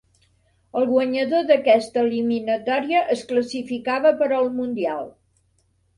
El guanyador d'aquesta eliminatòria es classificava per al Mundial.